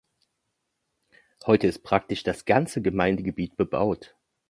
Heute ist praktisch das ganze Gemeindegebiet bebaut.